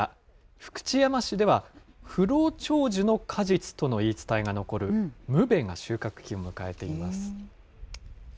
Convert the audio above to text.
福知山市では、不老長寿の果実との言い伝えが残るムベが収穫期を迎えています。